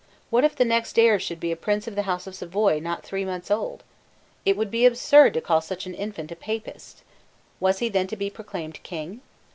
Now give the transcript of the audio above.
What if the next heir should be a prince of the House of Savoy not three months old? It would be absurd to call such an infant a Papist. Was he then to be proclaimed King?